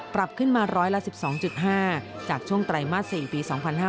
ปรับขึ้นมาร้อยละ๑๒๕จากช่วงไตรมาส๔ปี๒๕๕๙